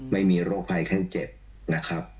ไม่มีโรคภัยขั้นเจ็บนะครับ